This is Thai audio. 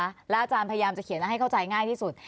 แล้วอาจารย์พยายามจะเขียนให้เข้าใจง่ายที่สุด